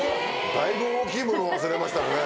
だいぶ大きいもの忘れましたね。